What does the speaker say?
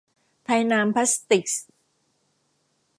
ไทยนามพลาสติกส์